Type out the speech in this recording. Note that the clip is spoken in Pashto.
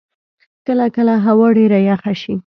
کله کله هوا ډېره یخه شی.